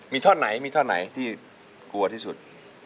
มีท่อนไหนที่กลัวที่สุด